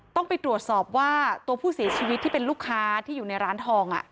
ต้องไปตรวจสอบว่าตัวผู้เสียชีวิตที่เป็นลูกค้าที่อยู่ในร้านทอง